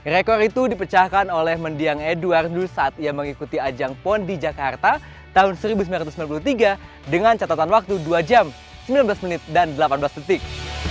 rekor itu dipecahkan oleh mendiang edwardu saat ia mengikuti ajang pon di jakarta tahun seribu sembilan ratus sembilan puluh tiga dengan catatan waktu dua jam sembilan belas menit dan delapan belas detik